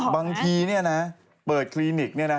บางทีเปิดคลินิก